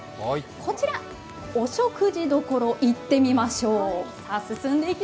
こちら、お食事どころ、行ってみましょう。